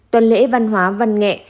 tuần lễ văn hóa văn nghệ